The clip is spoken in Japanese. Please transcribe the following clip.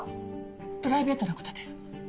プライベートなことです。